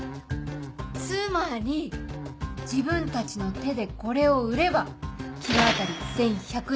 つまり自分たちの手でこれを売ればｋｇ当たり１１００円